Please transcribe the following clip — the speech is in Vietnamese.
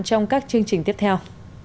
trong các chương trình tiếp theo